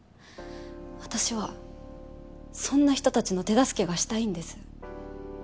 私はそんな人たちの手助けがしたいんです。